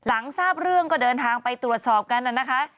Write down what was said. หลังทราบเรื่องก็เดินทางไปตรวจสอบกันนะคะ